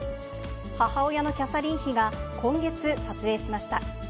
母親のキャサリン妃が、今月、撮影しました。